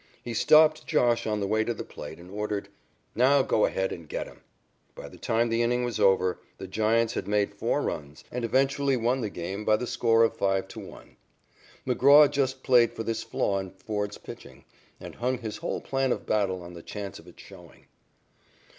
He stopped "Josh" on the way to the plate and ordered: "Now go ahead and get him." By the time the inning was over, the Giants had made four runs, and eventually won the game by the score of 5 to 1. McGraw just played for this flaw in Ford's pitching, and hung his whole plan of battle on the chance of it showing.